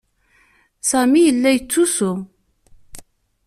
Sami yella yettusu.